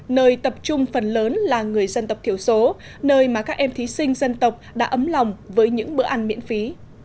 nơi tập trung phần lớn là người dân tộc thiểu số nơi mà các em thí sinh dân tộc đã ấm lòng với những bữa ăn miễn phí